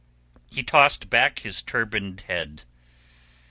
He tossed back his turbaned head.